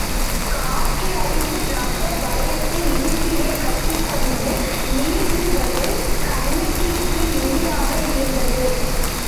காற்று அடித்த ரப்பர் வளையத்தை இடுப்பிலே கட்டிக்கொண்டு நீந்துவது கண்ணகிக்கு எளிதாக இருந்தது.